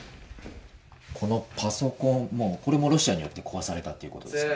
このパソコン、これもロシアによって壊されたということですか？